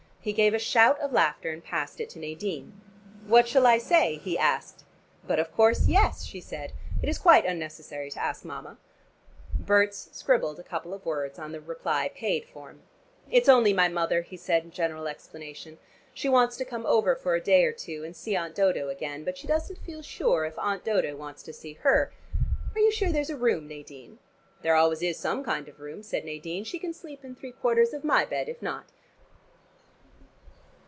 He gave a shout of laughter and passed it to Nadine. "What shall I say?" he asked. "But of course 'yes,'" she said. "It is quite unnecessary to ask Mama." Berts scribbled a couple of words on the reply paid form. "It's only my mother," he said in general explanation. "She wants to come over for a day or two, and see Aunt Dodo again, but she doesn't feel sure if Aunt Dodo wants to see her. Are you sure there's a room, Nadine?" "There always is some kind of room," said Nadine. "She can sleep in three quarters of my bed, if not."